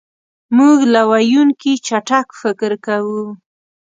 مونږ له ویونکي چټک فکر کوو.